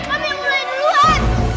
kamu yang mulai duluan